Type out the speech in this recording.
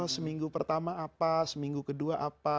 seminggu pertama apa seminggu kedua apa